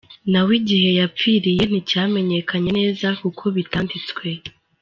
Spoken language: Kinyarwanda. Nawe igihe yapfiriye nticyamenyekanye neza kuko bitanditswe.